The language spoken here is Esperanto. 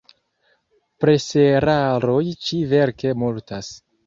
Preseraroj ĉi-verke multas.